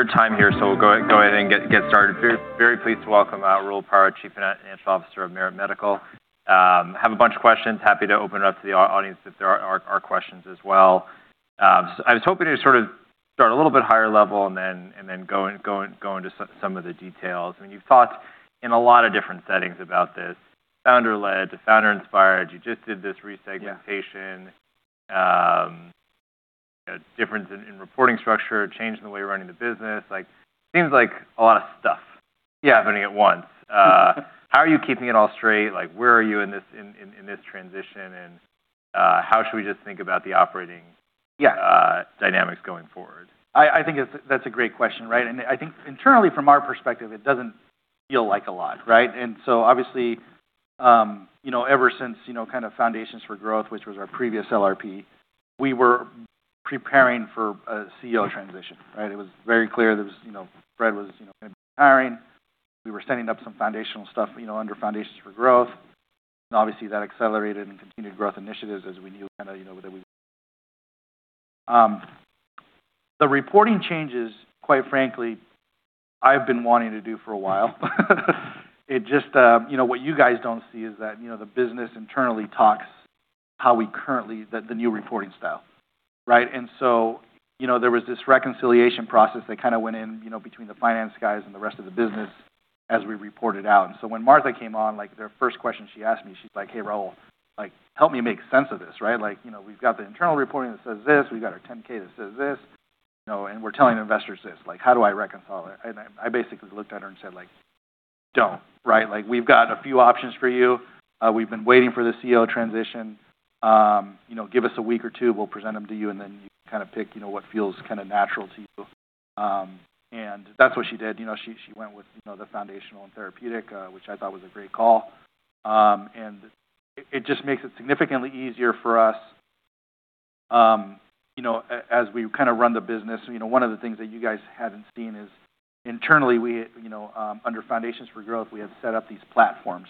We're at time here, so we'll go ahead and get started. Very pleased to welcome Raul Parra, Chief Financial Officer of Merit Medical. Have a bunch of questions. Happy to open it up to the audience if there are questions as well. I was hoping to sort of start a little bit higher level and then go into some of the details. You've thought in a lot of different settings about this, founder-led to founder-inspired. You just did this re-segmentation. Yeah. Difference in reporting structure, change in the way you're running the business. Seems like a lot of stuff. Yeah. Happening at once. How are you keeping it all straight? Like, where are you in this transition, and how should we just think about the operating. Yeah. Dynamics going forward? I think that's a great question. I think, internally, from our perspective, it doesn't feel like a lot. Obviously, ever since kind of Foundations for Growth, which was our previous LRP, we were preparing for a CEO transition. It was very clear that Fred was going to be retiring. We were setting up some foundational stuff under Foundations for Growth, and obviously that accelerated in Continued Growth Initiatives as we knew that. The reporting changes, quite frankly, I've been wanting to do for a while. It's just, you know, what you guys don't see is that the business, internally, talks how we currently, the new reporting style. There was this reconciliation process that kind of went in, between the finance guys and the rest of the business, as we reported out. When Martha came on, the first question she asked me, she's like, "Hey, Raul, help me make sense of this. We've got the internal reporting that says this, we've got our 10-K that says this, and we're telling investors this. How do I reconcile it?" I basically looked at her and said like, "Don't. We've got a few options for you. We've been waiting for the CEO transition. Give us a week or two, we'll present them to you, and then you can kind of pick what feels kind of natural to you." That's what she did. She went with the foundational and therapeutic, which I thought was a great call. It just makes it significantly easier for us as we kind of run the business. One of the things that you guys haven't seen is, internally, under Foundations for Growth, we had set up these platforms.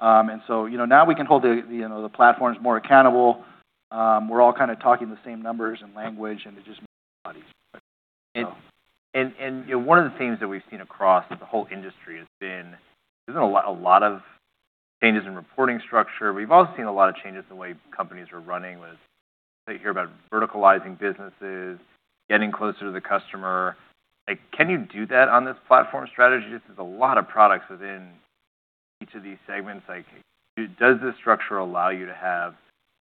Now, we can hold the platforms more accountable. We're all kind of talking the same numbers and language, and it just makes it a lot easier. One of the themes that we've seen across the whole industry has been, there's been a lot of changes in reporting structure. We've also seen a lot of changes in the way companies are running, whether it's, say, hear about verticalizing businesses, getting closer to the customer. Can you do that on this platform strategy? There's a lot of products within each of these segments. Like, does this structure allow you to have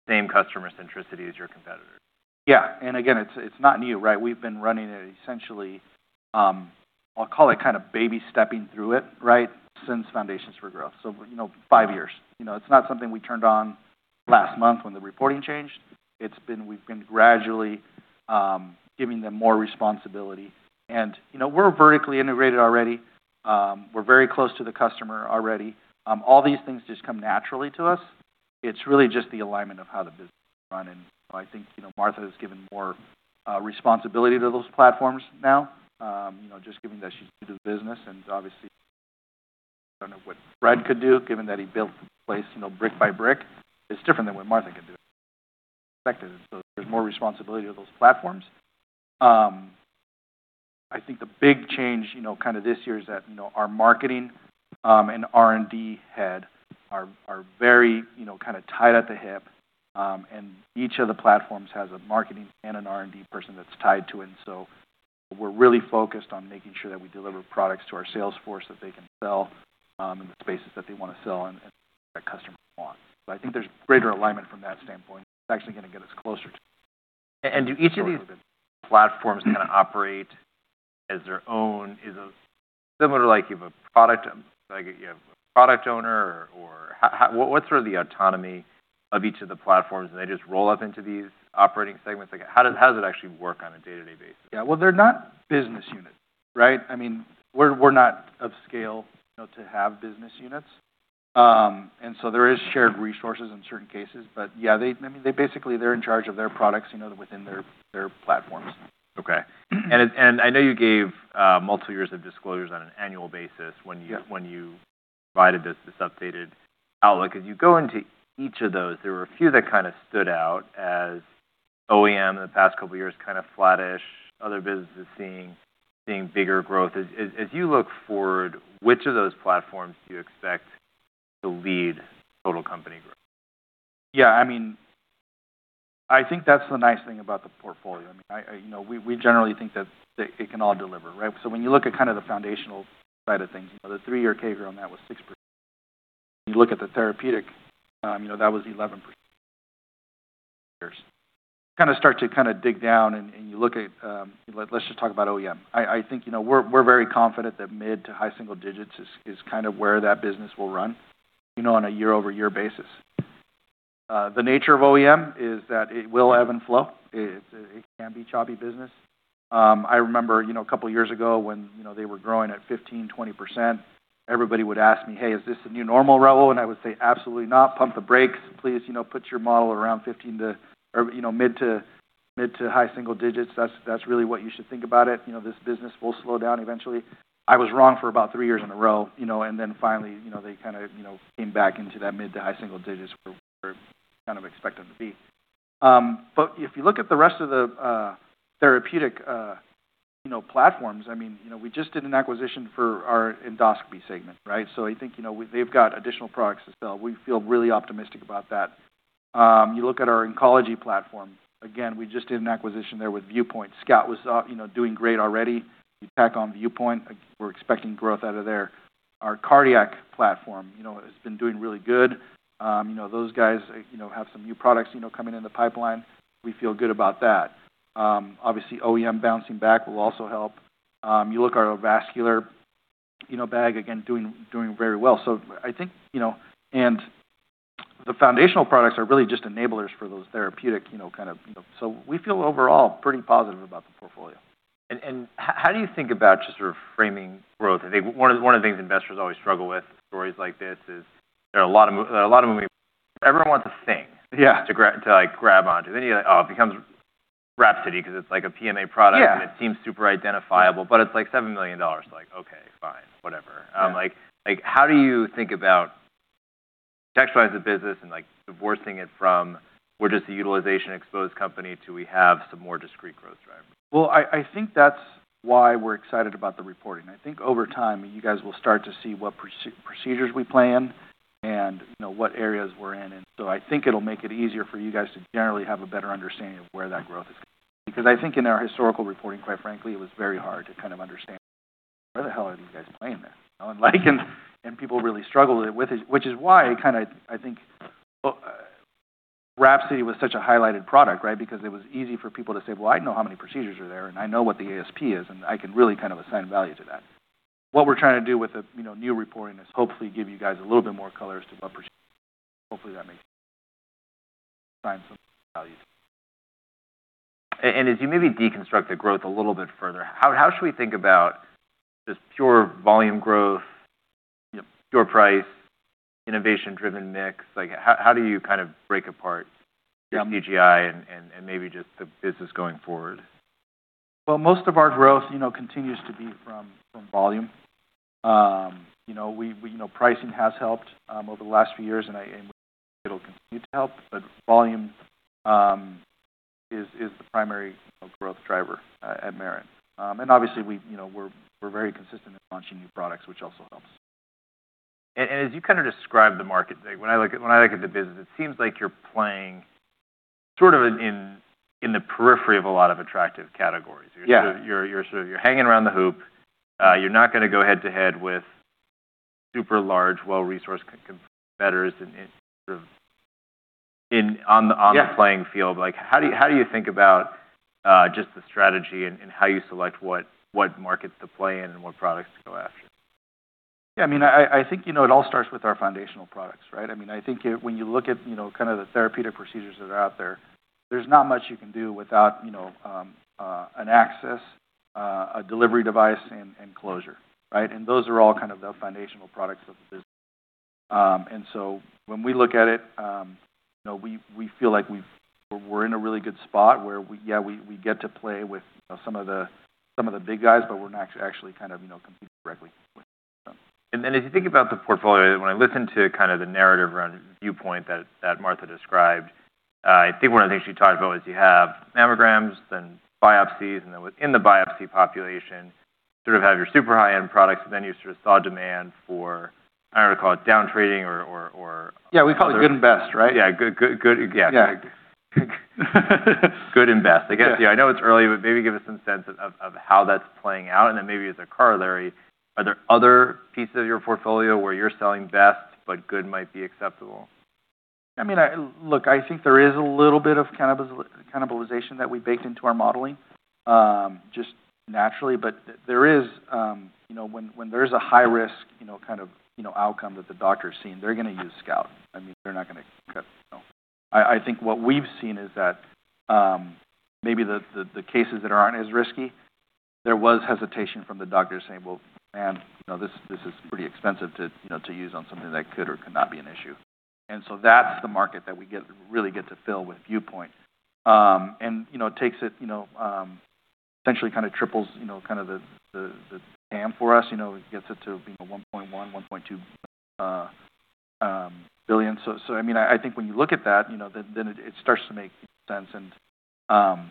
the same customer centricity as your competitors? Yeah. Again, it's not new. We've been running it essentially, I'll call it kind of baby stepping through it, since Foundations for Growth, so five years. It's not something we turned on last month when the reporting changed. We've been gradually giving them more responsibility, and we're vertically integrated already. We're very close to the customer already. All these things just come naturally to us. It's really just the alignment of how the business is run, and I think Martha has given more responsibility to those platforms now, just given that she's new to the business, and obviously, I don't know what Fred could do, given that he built the place brick by brick. It's different than what Martha can do. Expected it. There's more responsibility to those platforms. I think the big change kind of this year is that our Marketing and R&D Head are very kind of tied at the hip, each of the platforms has a marketing and an R&D person that's tied to it. So, we're really focused on making sure that we deliver products to our sales force that they can sell in the spaces that they want to sell and that customers want. I think there's greater alignment from that standpoint. It's actually going to get us closer to. And do each of these platforms kind of operate as their own? Is it similar to if you have a product owner, or what's the autonomy of each of the platforms? Do they just roll up into these operating segments? How does it actually work on a day-to-day basis? Yeah. Well, they're not business units. We're not of scale to have business units. There is shared resources in certain cases. But yeah, they basically, they're in charge of their products within their platforms. Okay. I know you gave multiple years of disclosures on an annual basis when you. Yeah. Provided this updated outlook. As you go into each of those, there were a few that kind of stood out as OEM in the past couple of years, kind of flattish, other businesses seeing bigger growth. As you look forward, which of those platforms do you expect to lead total company growth? Yeah, I mean, I think that's the nice thing about the portfolio. We generally think that it can all deliver. When you look at kind of the foundational side of things, the three-year CAGR on that was 6%. When you look at the therapeutic, that was 11% kind of start to kind of dig down. Let's just talk about OEM. I think we're very confident that mid to high single digits is kind of where that business will run on a year-over-year basis. The nature of OEM is that it will ebb and flow. It can be a choppy business. I remember a couple of years ago when they were growing at 15%, 20%, everybody would ask me, "Hey, is this the new normal, Raul?" I would say, "Absolutely not. Pump the brakes. Please put your model around 15% to mid to high single digits. That's really what you should think about it. This business will slow down eventually." I was wrong for about three years in a row, then, finally, they kind of came back into that mid to high single digits where we kind of expect them to be. But if you look at the rest of the therapeutic platforms, I mean, we just did an acquisition for our endoscopy segment, right? I think they've got additional products to sell. We feel really optimistic about that. You look at our oncology platform, again, we just did an acquisition there with View Point. SCOUT was doing great already. You tack on View Point, we're expecting growth out of there. Our cardiac platform has been doing really good. Those guys have some new products coming in the pipeline. We feel good about that. Obviously, OEM bouncing back will also help. You look at our vascular bag, again, doing very well. I think the foundational products are really just enablers for those therapeutic kind of, you know. We feel, overall, pretty positive about the portfolio. How do you think about just sort of framing growth? I think one of the things investors always struggle with with stories like this is there are a lot of movement, there's a lot of things. Yeah. To like grab onto. You're like, oh, it becomes WRAPSODY because it's like a PMA product. Yeah. It seems super identifiable, but it's like $7 million. Like, okay, fine. Whatever. Yeah. Like, how do you think about texturizing the business and divorcing it from, we're just a utilization-exposed company till we have some more discrete growth drivers? Well, I think that's why we're excited about the reporting. I think over time, you guys will start to see what procedures we play in and what areas we're in, and so I think it'll make it easier for you guys to generally have a better understanding of where that growth is. I think in our historical reporting, quite frankly, it was very hard to kind of understand, where the hell are these guys playing at? People really struggled with it, which is why I think WRAPSODY was such a highlighted product, right? It was easy for people to say, "Well, I know how many procedures are there, and I know what the ASP is, and I can really kind of assign value to that." What we're trying to do with the new reporting is hopefully give you guys a little bit more color as to what procedure. Hopefully, that makes assign some values. As you maybe deconstruct the growth a little bit further, how should we think about just pure volume growth, pure price, innovation-driven mix? How do you kind of break apart. Yeah. CGI and maybe just the business going forward? Well, most of our growth continues to be from volume. Pricing has helped over the last few years, and it'll continue to help, but volume is the primary growth driver at Merit. Obviously, we're very consistent in launching new products, which also helps. As you kind of describe the market, when I look at the business, it seems like you're playing sort of in the periphery of a lot of attractive categories. Yeah. You're sort of hanging around the hoop. You're not going to go head-to-head with super large, well-resourced competitors on the playing field. Yeah. How do you think about just the strategy and how you select what market to play in and what products to go after? I think it all starts with our foundational products, right? I think when you look at the kind of therapeutic procedures that are out there, there's not much you can do without an access, a delivery device, and closure, right? Those are all kind of the foundational products of the business. When we look at it, we feel like we're in a really good spot where we get to play with some of the big guys, but we're not actually competing directly with them. If you think about the portfolio, when I listen to kind of the narrative around View Point that Martha described, I think one of the things she talked about was you have mammograms, then biopsies, and then within the biopsy population, sort of have your super high-end products, and then you sort of saw demand for, I don't know if you call it down trading or. Yeah, we call it good and best, right? Yeah. Good and best. Yeah. Yeah. Good, yeah. Good and best. Yeah. I know it's early, but maybe give us some sense of how that's playing out, and then maybe as a corollary, are there other pieces of your portfolio where you're selling best, but good might be acceptable? Look, I think there is a little bit of cannibalization that we baked into our modeling, just naturally. When there's a high-risk kind of outcome that the doctor's seeing, they're going to use SCOUT. I think what we've seen is that maybe the cases that aren't as risky, there was hesitation from the doctor saying, "Well, man, this is pretty expensive to use on something that could or could not be an issue." That's the market that we really get to fill with View Point. It essentially kind of triples the TAM for us. It gets it to $1.1 billion, $1.2 billion. I think when you look at that, then it starts to make sense, and I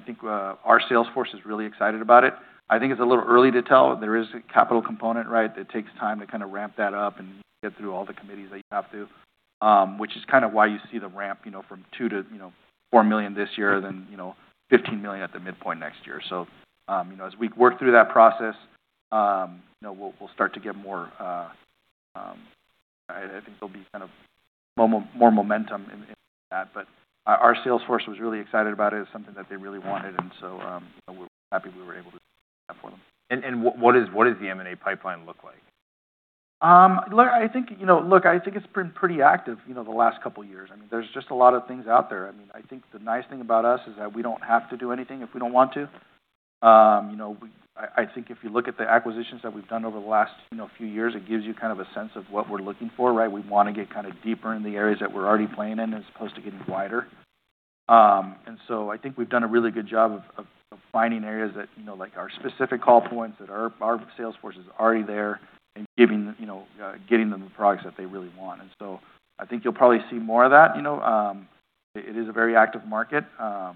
think our sales force is really excited about it. I think it's a little early to tell. There is a capital component, right? That takes time to kind of ramp that up and get through all the committees that you have to, which is kind of why you see the ramp from $2 million to $4 million this year, then $15 million at the midpoint next year. As we work through that process, we'll start to get more kind of momentum in that. Our sales force was really excited about it. It's something that they really wanted, so we're happy we were able to do that for them. What does the M&A pipeline look like? I think it's been pretty active the last couple of years. There's just a lot of things out there. I think the nice thing about us is that we don't have to do anything if we don't want to. I think if you look at the acquisitions that we've done over the last few years, it gives you kind of a sense of what we're looking for, right? We want to get kind of deeper in the areas that we're already playing in as opposed to getting wider. I think we've done a really good job of finding areas that are specific call points that our sales force is already there and getting them the products that they really want. I think you'll probably see more of that. It is a very active market. There are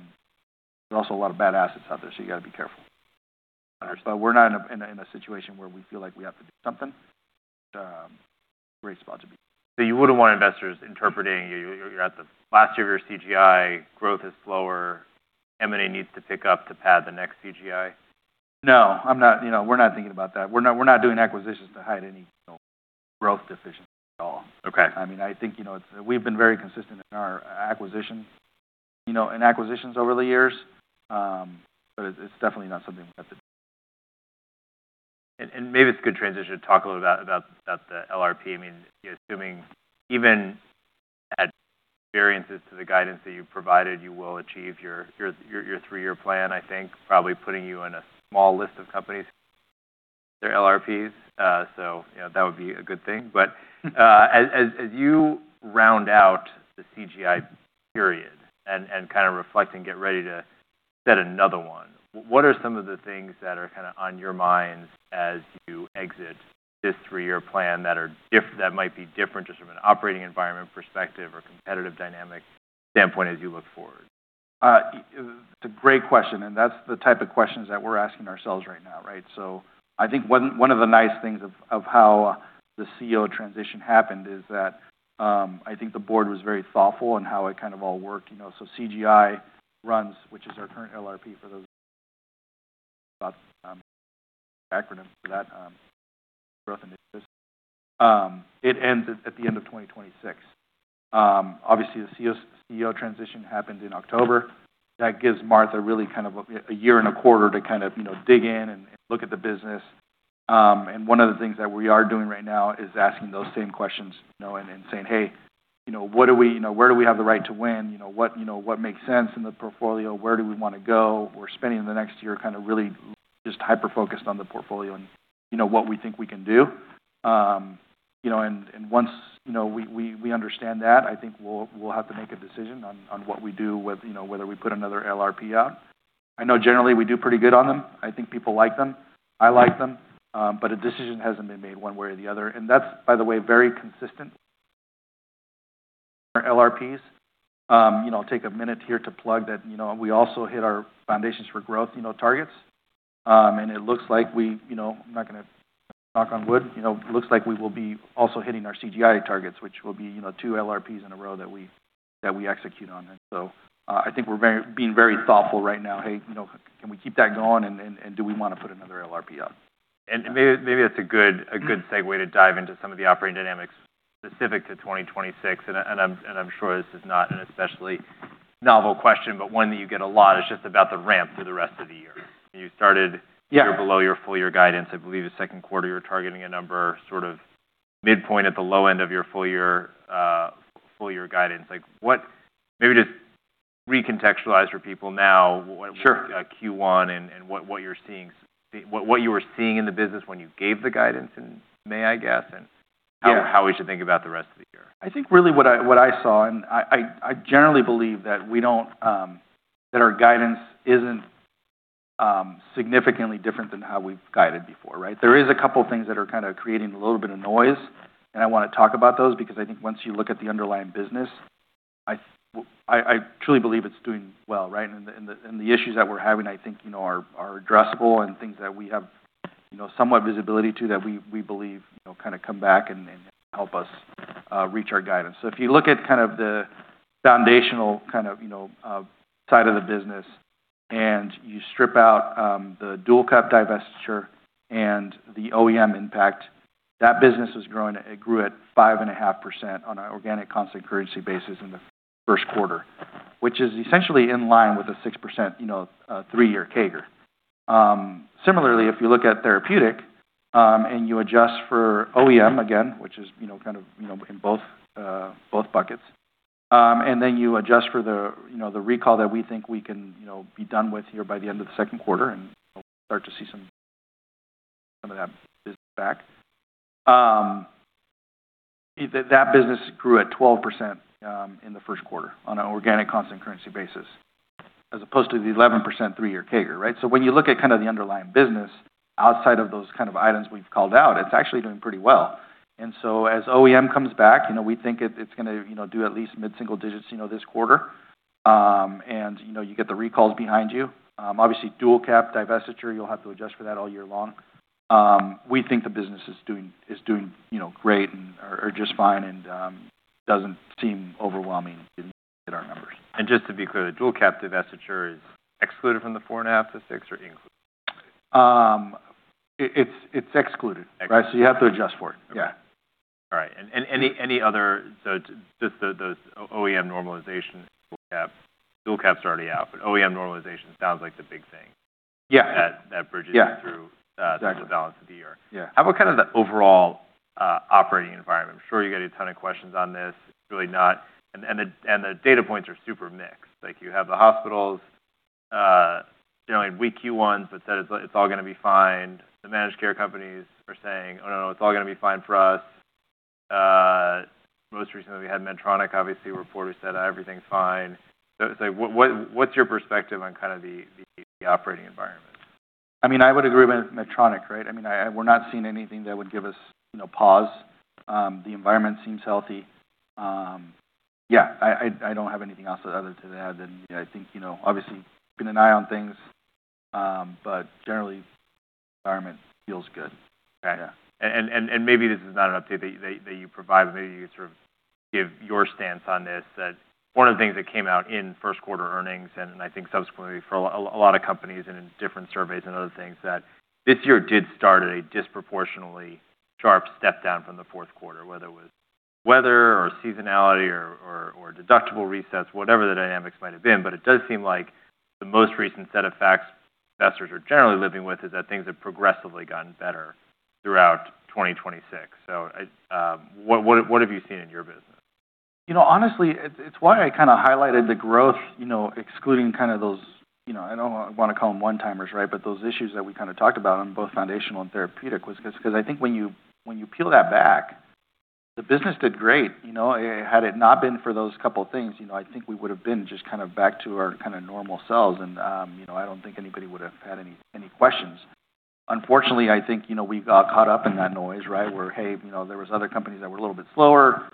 also a lot of bad assets out there, so you've got to be careful. We're not in a situation where we feel like we have to do something. Great spot to be. You wouldn't want investors interpreting you're at the last year of your CGI, growth is slower, M&A needs to pick up to pad the next CGI? No. We're not thinking about that. We're not doing acquisitions to hide any growth deficiencies at all. Okay. I think we've been very consistent in our acquisitions over the years, but it's definitely not something we have to. Maybe it's a good transition to talk a little about the LRP. Assuming, even add variances to the guidance that you've provided, you will achieve your three-year plan, I think, probably putting you in a small list of companies, their LRPs. So, you know, that would be a good thing. As you round out the CGI period and kind of reflect and get ready to set another one, what are some of the things that are on your minds as you exit this three-year plan that might be different just from an operating environment perspective or competitive dynamic standpoint as you look forward? It's a great question, and that's the type of questions that we're asking ourselves right now. I think one of the nice things of how the CEO transition happened is that I think the board was very thoughtful in how it kind of all worked. CGI runs, which is our current LRP for those acronym for that growth initiatives. It ends at the end of 2026. Obviously, the CEO transition happens in October. That gives Martha really kind of a year and a quarter to dig in and look at the business. One of the things that we are doing right now is asking those same questions and saying, "Hey, where do we have the right to win? What makes sense in the portfolio? Where do we want to go?" We're spending the next year kind of really just hyper-focused on the portfolio and what we think we can do. Once we understand that, I think we'll have to make a decision on what we do, whether we put another LRP out. I know generally we do pretty good on them. I think people like them. I like them. But a decision hasn't been made one way or the other, and that's, by the way, very consistent. Our LRPs. Take a minute here to plug that we also hit our Foundations for Growth targets, and it looks like we, I'm not going to, knock on wood, looks like we will be also hitting our CGI targets, which will be two LRPs in a row that we execute on. I think we're being very thoughtful right now. Hey, can we keep that going, and do we want to put another LRP out? Maybe it's a good segue to dive into some of the operating dynamics specific to 2026. I'm sure this is not an especially novel question, but one that you get a lot is just about the ramp for the rest of the year. Yeah. You're below your full year guidance. I believe the second quarter, you're targeting a number sort of midpoint at the low end of your full year guidance. Maybe just recontextualize for people now. Sure. Q1 and what you were seeing in the business when you gave the guidance in May, I guess. Yeah. How we should think about the rest of the year? I think really what I saw, and I generally believe that our guidance isn't significantly different than how we've guided before. There is a couple of things that are kind of creating a little bit of noise, I want to talk about those because I think once you look at the underlying business, I truly believe it's doing well. The issues that we're having, I think, are addressable and things that we have somewhat visibility to, that we believe kind of come back and help us reach our guidance. If you look at kind of the foundational side of the business, and you strip out the DualCap divestiture and the OEM impact, that business grew at 5.5% on an organic constant currency basis in the first quarter, which is essentially in line with a 6% three-year CAGR. Similarly, if you look at therapeutic, and you adjust for OEM again, which is kind of in both buckets, and then you adjust for the recall that we think we can be done with here by the end of the second quarter and start to see some of that business back, that business grew at 12% in the first quarter on an organic constant currency basis, as opposed to the 11% three-year CAGR. When you look at kind of the underlying business outside of those kind of items we've called out, it's actually doing pretty well. As OEM comes back, we think it's going to do at least mid-single digits this quarter, and you get the recalls behind you. Obviously, DualCap divestiture, you'll have to adjust for that all year long. We think the business is doing great or just fine and doesn't seem overwhelming to hit our numbers. Just to be clear, the DualCap divestiture is excluded from the 4.5%-6%, or included? It's excluded. Excluded. You have to adjust for it. Yeah. All right. Any other, just the OEM normalization, DualCap's already out, but OEM normalization sounds like the big thing. Yeah. That bridges you through. Exactly. To the balance of the year. Yeah. How about kind of the overall operating environment? I'm sure you get a ton of questions on this. It's really not. The data points are super mixed. Like you have the hospitals generally weak Q1s that said it's all going to be fine. The managed care companies are saying, "Oh, no. It's all going to be fine for us." Most recently, we had Medtronic, obviously a report who said everything's fine. What's your perspective on kind of the operating environment? I would agree with Medtronic, right? We're not seeing anything that would give us pause. The environment seems healthy. Yeah, I don't have anything else other to add than I think, obviously keeping an eye on things, but generally the environment feels good. Okay. Yeah. Maybe this is not an update that you provide, but maybe you sort of give your stance on this, that one of the things that came out in first quarter earnings, and I think subsequently for a lot of companies and in different surveys and other things, that this year did start at a disproportionately sharp step down from the fourth quarter, whether it was weather or seasonality or deductible resets, whatever the dynamics might have been. It does seem like the most recent set of facts investors are generally living with is that things have progressively gotten better throughout 2026. What have you seen in your business? Honestly, it's why I kind of highlighted the growth, excluding kind of those, I don't want to call them one-timers, right? But those issues that we kind of talked about on both foundational and therapeutic was because I think when you peel that back, the business did great. Had it not been for those couple things, I think we would've been just kind of back to our kind of normal selves, and I don't think anybody would've had any questions. Unfortunately, I think, we got caught up in that noise, right? Where, hey, there was other companies that were a little bit slower.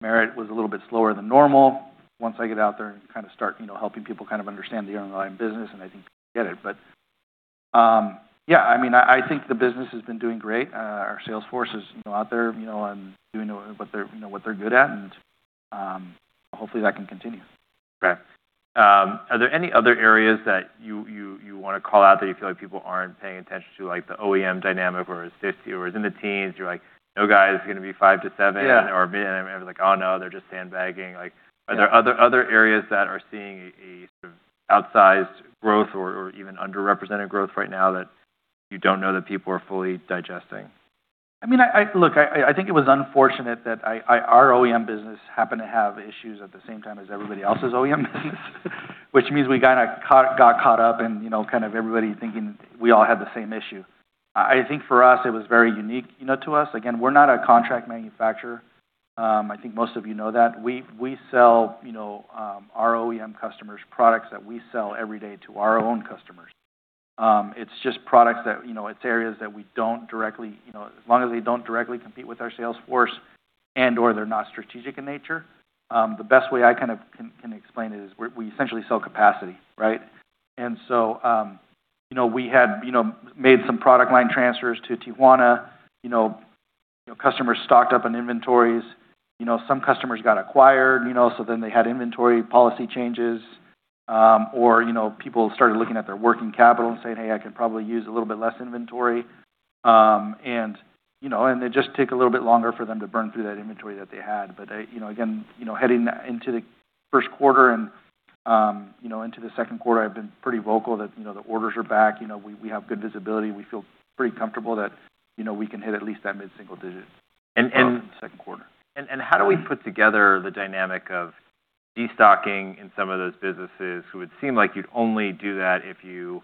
Merit was a little bit slower than normal. Once I get out there and kind of start helping people kind of understand the underlying business, and I think they get it. Yeah, I think the business has been doing great. Our sales force is out there and doing what they're good at, hopefully that can continue. Okay. Are there any other areas that you want to call out that you feel like people aren't paying attention to, like the OEM dynamic where it's 50%, or it's in the teens, you're like, "No, guys, it's going to be 5%-7%." Yeah. Or being like, "Oh, no, they're just sandbagging." Yeah. Like, are there other areas that are seeing a sort of outsized growth or even underrepresented growth right now that you don't know that people are fully digesting? Look, I think it was unfortunate that our OEM business happened to have issues at the same time as everybody else's OEM business, which means we kind of got caught up in kind of everybody thinking we all had the same issue. I think for us, it was very unique to us. Again, we're not a contract manufacturer. I think most of you know that. We sell our OEM customers products that we sell every day to our own customers. It's just products that, it's areas that we don't directly, as long as they don't directly compete with our sales force and/or they're not strategic in nature, the best way I kind of can explain it is we essentially sell capacity, right? We had made some product line transfers to Tijuana, customers stocked up on inventories, some customers got acquired, so then they had inventory policy changes. Or people started looking at their working capital and saying, "Hey, I could probably use a little bit less inventory." It'd just take a little bit longer for them to burn through that inventory that they had. Again, heading into the first quarter and into the second quarter, I've been pretty vocal that the orders are back. We have good visibility. We feel pretty comfortable that we can hit at least that mid-single digit. And. Growth in the second quarter. How do we put together the dynamic of destocking in some of those businesses who would seem like you'd only do that if you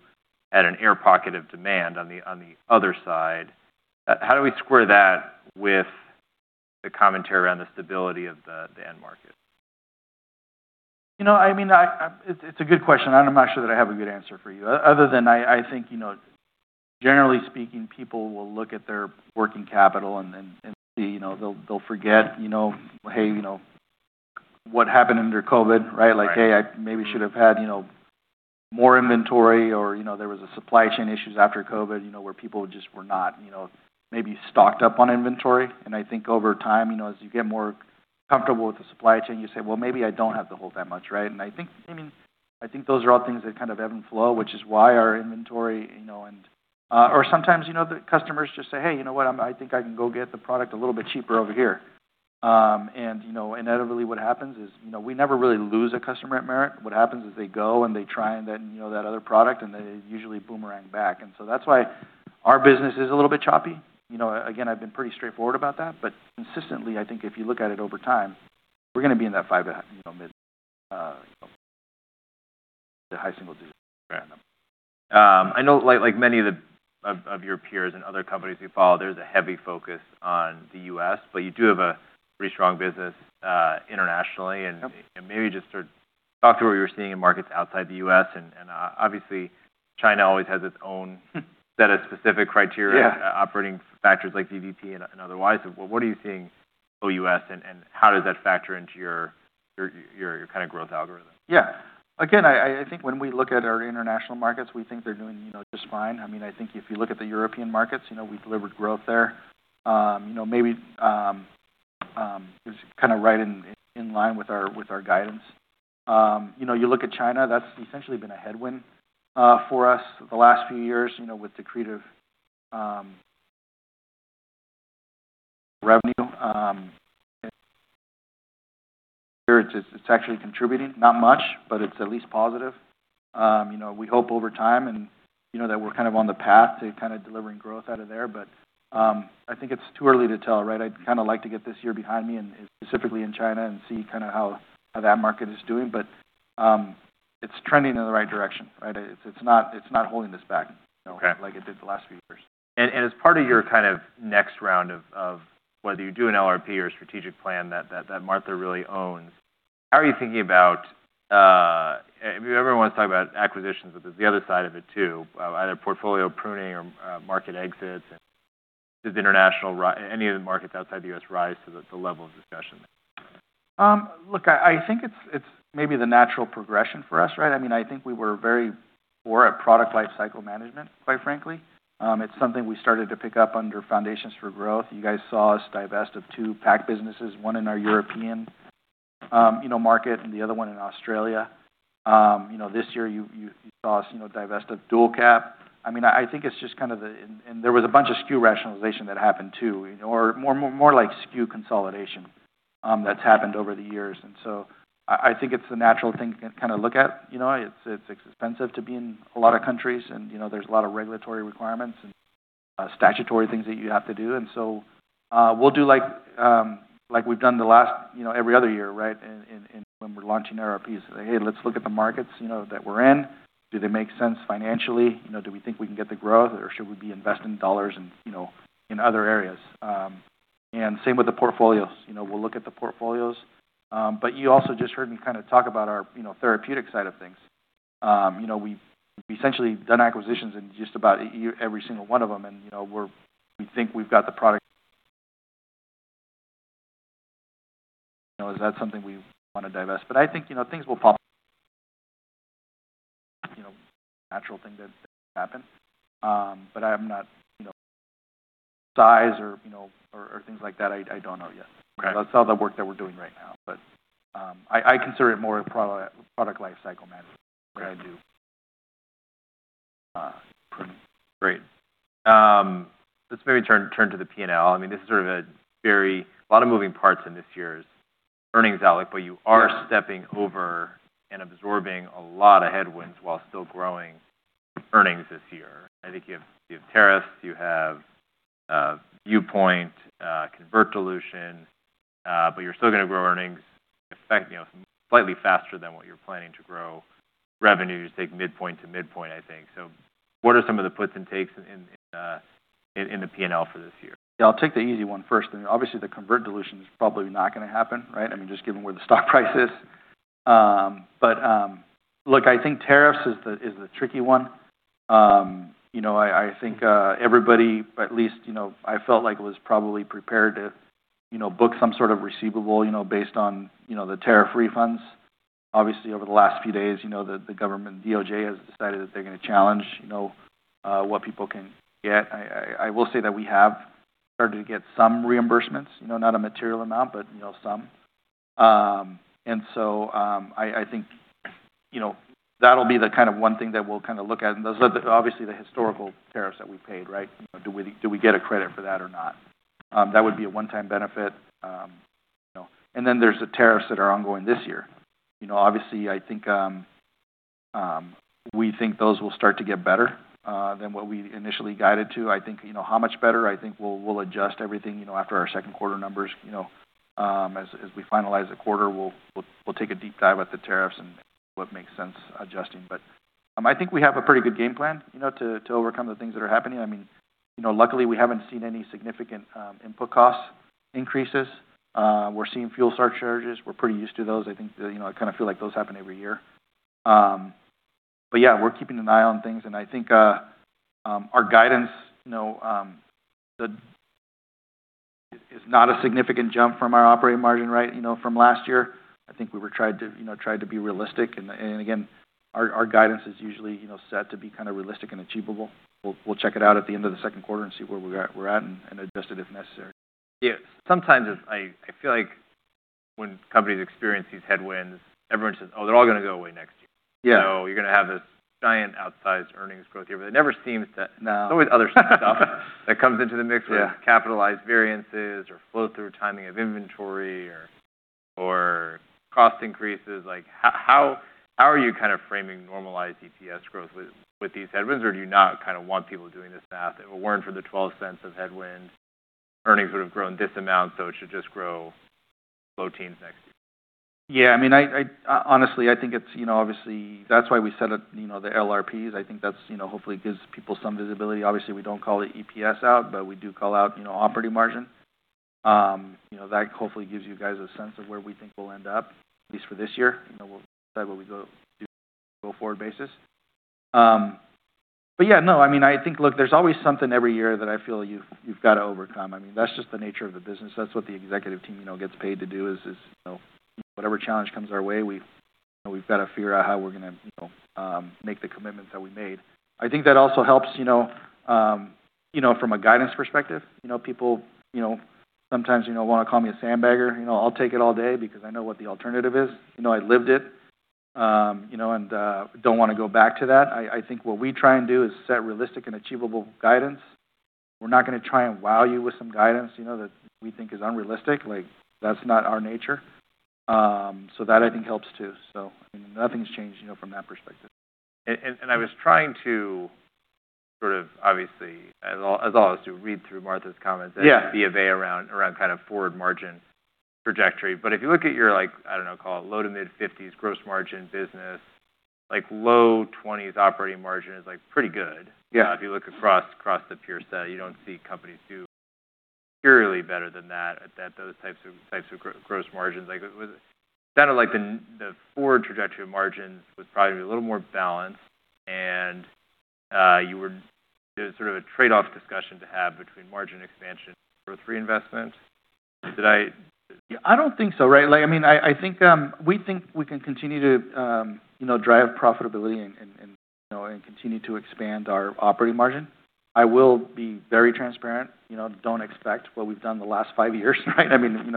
had an air pocket of demand on the other side? How do we square that with the commentary around the stability of the end market? It's a good question, and I'm not sure that I have a good answer for you. Other than I think, generally speaking, people will look at their working capital and see, they'll forget, "Hey, what happened under COVID," right? Right. Like, "Hey, I maybe should have had more inventory," or there was supply chain issues after COVID, where people just were not maybe stocked up on inventory. I think over time, as you get more comfortable with the supply chain, you say, "Well, maybe I don't have to hold that much," right? I think those are all things that kind of ebb and flow, which is why our inventory, or sometimes, the customers just say, "Hey, you know what? I think I can go get the product a little bit cheaper over here." Inevitably, what happens is we never really lose a customer at Merit. What happens is they go and they try that other product, and they usually boomerang back. That's why our business is a little bit choppy. Again, I've been pretty straightforward about that. But consistently, I think if you look at it over time, we're going to be in that 5% to mid to high single digits. Right. I know like many of your peers in other companies we follow, there's a heavy focus on the U.S., but you do have a pretty strong business internationally. Yep. Maybe just sort of talk to what you're seeing in markets outside the U.S. Obviously, China always has its own set of specific criteria. Yeah. Operating factors like VBP and otherwise. What are you seeing OUS, and how does that factor into your kind of growth algorithm? Yeah. Again, I think when we look at our international markets, we think they're doing just fine. I think if you look at the European markets, we delivered growth there. Maybe, it was kind of right in line with our guidance. You look at China, that's essentially been a headwind for us the last few years, with the accretive revenue. Here, it's actually contributing, not much, but it's at least positive. We hope over time, and that we're kind of on the path to kind of delivering growth out of there. I think it's too early to tell, right? I'd kind of like to get this year behind me, and specifically in China, and see kind of how that market is doing, but it's trending in the right direction, right? It's not holding us back. Okay. Like it did the last few years. As part of your next round of whether you do an LRP or strategic plan that Martha really owns, how are you thinking about, if everyone wants to talk about acquisitions, but there's the other side of it, too, either portfolio pruning or market exits, does any of the markets outside the U.S. rise to the level of discussion? Look, I think it's maybe the natural progression for us, right? I mean, I think we were very poor at product life cycle management, quite frankly. It's something we started to pick up under Foundations for Growth. You guys saw us divest of two PAC businesses, one in our European market and the other one in Australia. This year, you saw us divest of DualCap. I mean, I think it's just kind of a, and there was a bunch of SKU rationalization that happened, too, or more like SKU consolidation that's happened over the years, and so, I think it's the natural thing to kind of look at. You know, it's expensive to be in a lot of countries, and there's a lot of regulatory requirements and statutory things that you have to do. And so, we'll do like we've done every other year, right? When we're launching LRPs, say, "Hey, let's look at the markets that we're in. Do they make sense financially? Do we think we can get the growth, or should we be investing dollars in other areas?" Same with the portfolios. We'll look at the portfolios. You also just heard me talk about our therapeutic side of things. We've essentially done acquisitions in just about every single one of them, and we think we've got the product. Is that something we want to divest? But I think things will pop, you know, natural thing to happen. But I'm not, you know, size or things like that, I don't know yet. Okay. That's all the work that we're doing right now, but I consider it more product life cycle management than I do pruning. Great. Let's maybe turn to the P&L. I mean, this is sort of a very, a lot of moving parts in this year's earnings outlook, but you are stepping over and absorbing a lot of headwinds while still growing earnings this year. I think you have tariffs, you have View Point convert dilution, but you're still going to grow earnings slightly faster than what you're planning to grow revenues, take midpoint to midpoint, I think. What are some of the puts and takes in the P&L for this year? Yeah. I'll take the easy one first. Obviously, the convert dilution is probably not going to happen, right? Just given where the stock price is. Look, I think tariffs is the tricky one. I think everybody, at least, I felt like was probably prepared to book some sort of receivable based on the tariff refunds. Obviously, over the last few days, the government, DOJ, has decided that they're going to challenge what people can get. I will say that we have started to get some reimbursements, not a material amount, but some. I think that'll be the one thing that we'll look at, and those are obviously the historical tariffs that we paid, right? Do we get a credit for that or not? That would be a one-time benefit. There's the tariffs that are ongoing this year. Obviously, we think those will start to get better than what we initially guided to. How much better? I think we'll adjust everything after our second quarter numbers. As we finalize the quarter, we'll take a deep dive at the tariffs and what makes sense adjusting. I think we have a pretty good game plan to overcome the things that are happening. Luckily, we haven't seen any significant input cost increases. We're seeing fuel surcharges. We're pretty used to those. I kind of feel like those happen every year. Yeah, we're keeping an eye on things, and I think our guidance is not a significant jump from our operating margin, right, from last year. I think we tried to be realistic. Our guidance is usually set to be realistic and achievable. We'll check it out at the end of the second quarter and see where we're at and adjust it if necessary. Yeah. Sometimes, I feel like when companies experience these headwinds, everyone says, "Oh, they're all going to go away next year." Yeah. You're going to have this giant outsized earnings growth year. It never seems to. No. There's always other stuff that comes into the mix. Yeah. Whether it's capitalized variances or flow-through timing of inventory or cost increases. How are you framing normalized EPS growth with these headwinds, or do you not want people doing this math? If it weren't for the $0.12 of headwinds, earnings would have grown this amount, it should just grow low teens next year. Yeah. Honestly, I think it's, you know, obviously, that's why we set up the LRPs. I think that hopefully gives people some visibility. Obviously, we don't call the EPS out, but we do call out operating margin. That hopefully gives you guys a sense of where we think we'll end up, at least for this year. We'll decide what we do go forward basis. Yeah, no. I think, look, there's always something every year that I feel you've got to overcome. That's just the nature of the business. That's what the executive team gets paid to do is, whatever challenge comes our way, we've got to figure out how we're going to make the commitments that we made. I think that also helps from a guidance perspective. People sometimes want to call me a sandbagger. I'll take it all day because I know what the alternative is. I lived it, and don't want to go back to that. I think what we try and do is set realistic and achievable guidance. We're not going to try and wow you with some guidance that we think is unrealistic. That's not our nature. That, I think, helps, too. Nothing's changed from that perspective. I was trying to sort of obviously, as always do, read through Martha's comments. Yeah. around kind of forward margin trajectory. If you look at your, I don't know, call it low to mid-50s gross margin business, like low 20s operating margin is pretty good. Yeah. If you look across the peer set, you don't see companies do purely better than that at those types of gross margins. It was kind of like the forward trajectory of margins was probably a little more balanced, and there's sort of a trade-off discussion to have between margin expansion or reinvestment. I don't think so, right? We think we can continue to drive profitability and continue to expand our operating margin. I will be very transparent, don't expect what we've done the last five years, right?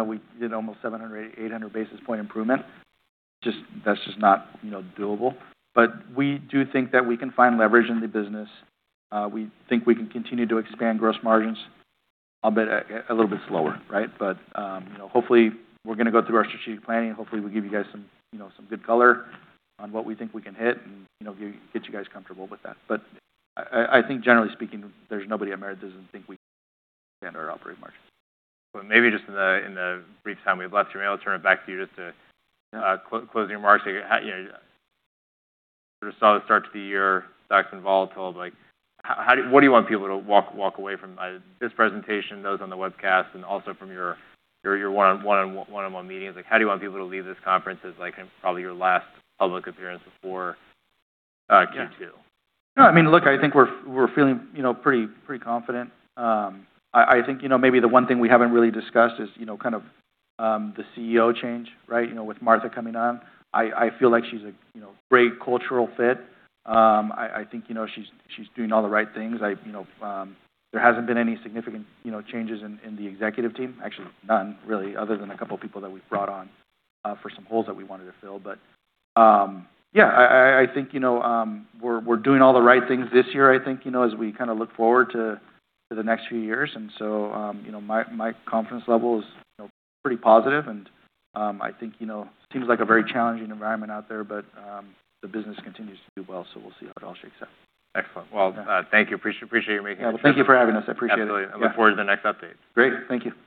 We did almost 700, 800 basis point improvement. That's just not doable. But we do think that we can find leverage in the business. We think we can continue to expand gross margins, a little bit slower, right? Hopefully, we're going to go through our strategic planning, and hopefully we'll give you guys some good color on what we think we can hit and get you guys comfortable with that. But I think generally speaking, there's nobody at Merit who doesn't think we can expand our operating margin. Maybe just in the brief time we have left, maybe I'll turn it back to you just to closing remarks. We saw the start to the year, stock's been volatile. What do you want people to walk away from this presentation, those on the webcast, and also from your one-on-one meetings? How do you want people to leave this conference as probably your last public appearance before Q2? Yeah. No, look, I think we're feeling pretty confident. I think maybe the one thing we haven't really discussed is kind of the CEO change, right? With Martha coming on. I feel like she's a great cultural fit. I think she's doing all the right things. There hasn't been any significant changes in the executive team. Actually, none really, other than a couple people that we've brought on for some holes that we wanted to fill. Yeah, I think we're doing all the right things this year, I think, as we kind of look forward to the next few years. My confidence level is pretty positive, and I think it seems like a very challenging environment out there, but the business continues to do well, so we'll see how it all shakes out. Excellent. Well, thank you. Appreciate you making the time. Yeah. Well, thank you for having us. I appreciate it. Absolutely. Yeah. I look forward to the next update. Great. Thank you.